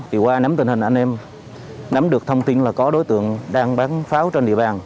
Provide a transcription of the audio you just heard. thì qua nắm tình hình anh em nắm được thông tin là có đối tượng đang bán pháo trên địa bàn